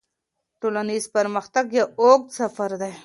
ټولنیز پرمختګ یو اوږد سفر دی.